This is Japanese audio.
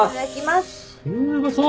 うまそう。